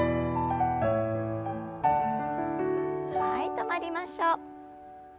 はい止まりましょう。